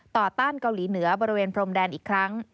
ต้านเกาหลีเหนือบริเวณพรมแดนอีกครั้ง